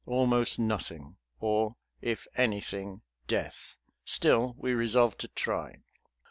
Almost nothing; or if anything, death! Still we resolved to try.